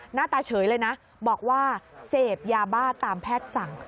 หน้าตาเฉยเลยนะบอกว่าเสพยาบ้าตามแพทย์สั่ง